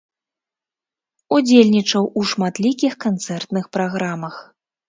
Удзельнічаў у шматлікіх канцэртных праграмах.